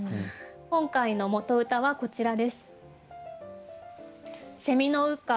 今回の元歌はこちらです。